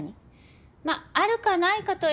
まっあるかないかと。